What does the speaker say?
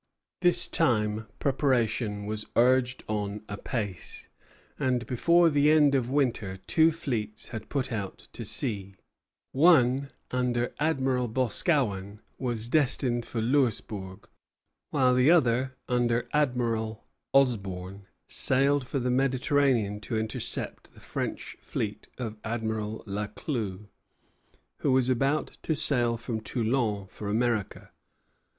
This time preparation was urged on apace; and before the end of winter two fleets had put to sea: one, under Admiral Boscawen, was destined for Louisbourg; while the other, under Admiral Osborn, sailed for the Mediterranean to intercept the French fleet of Admiral La Clue, who was about to sail from Toulon for America.